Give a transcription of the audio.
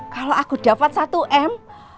kalau aku dapat satu m